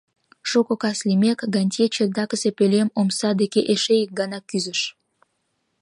Шуко кас лиймек, Гантье чердакысе пӧлем омса деке эше ик гана кӱзыш.